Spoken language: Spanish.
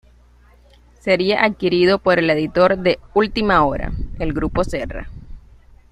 Sería adquirido por el editor de "Última Hora", el grupo Serra.